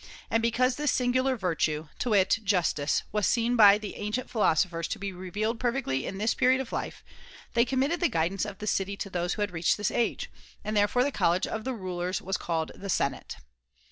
And because this singular virtue, to wit justice, was seen by the ancient philosophers to be revealed perfectly in this period of life, they committed the guidance of the city to those who had reached this age ; and therefore the college of the rulers was called the Senate.